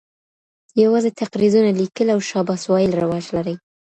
یوازي تقریظونه لیکل او شاباس ویل رواج لري !.